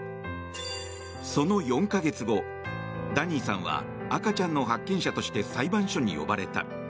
その４か月後、ダニーさんは赤ちゃんの発見者として裁判所に呼ばれた。